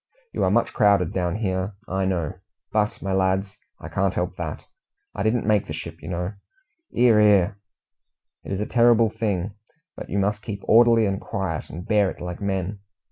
You are much crowded down here, I know; but, my lads, I can't help that; I didn't make the ship, you know." "'Ear, 'ear!" "It is a terrible thing, but you must keep orderly and quiet, and bear it like men.